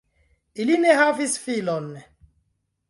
Ili ne havis filon.